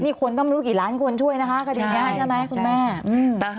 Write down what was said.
นี่คนต้องรู้กี่ล้านคนช่วยนะคะคดีนี้ใช่ไหมคุณแม่